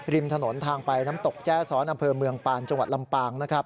ริมถนนทางไปน้ำตกแจ้สรอเมืองปาลจังหวัดลำปาง